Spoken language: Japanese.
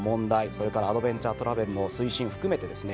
それからアドベンチャートラベルの推進含めてですね